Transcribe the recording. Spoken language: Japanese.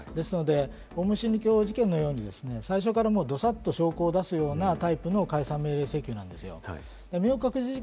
オウム真理教事件のように最初から、どさっと証拠を出すようなタイプの解散命令請求なんですよ。